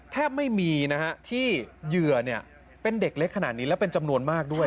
แทบไม่มีนะฮะที่เหยื่อเป็นเด็กเล็กขนาดนี้แล้วเป็นจำนวนมากด้วย